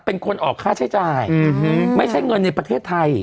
เป็นคนออกค่าใช้จ่ายไม่ใช่เงินในประเทศไทย